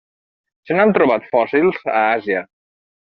Se n'han trobat fòssils a Àsia.